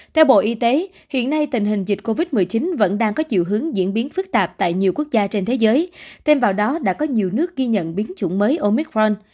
theo bộ y tế hiện nay tình hình dịch covid một mươi chín vẫn đang có chiều hướng diễn biến phức tạp tại nhiều quốc gia trên thế giới thêm vào đó đã có nhiều nước ghi nhận biến chủng mới omicron